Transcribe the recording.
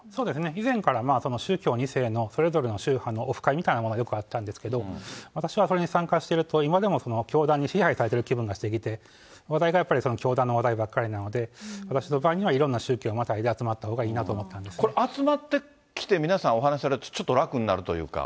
以前から宗教２世のそれぞれの宗派のオフ会みたいなものは、よくあったんですけど、私はそれに参加してると、今でも教団に支配されている気分がしてきて、話題がやっぱり教団の話題ばっかりなので、私の場合にはいろんな宗教をまたいで集まったほうがいいなと思っこれ、集まってきて、皆さんお話されて、ちょっと楽になるというか。